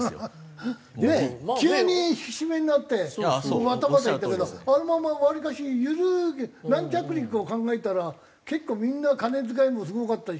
急に引き締めになってバタバタいったけどあのまま割かし緩く軟着陸を考えたら結構みんな金遣いもすごかったし。